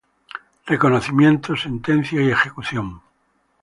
Reconocimiento, sentencia y ejecución.